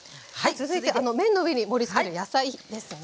続いてあの麺の上に盛りつけてる野菜ですね。